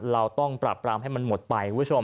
เราต้องปรับรามให้มันหมดไป